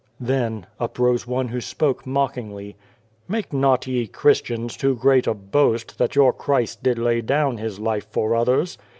Then uprose one who spoke mockingly :" Make not ye Christians too great a boast, that your Christ did lay down His life for others?